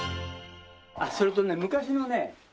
それとね昔のね